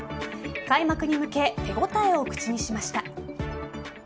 開幕に向け手応えを口にしました。